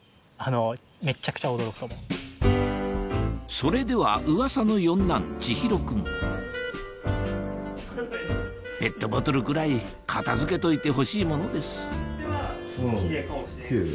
それでは噂の四男・智広君ペットボトルぐらい片付けといてほしいものです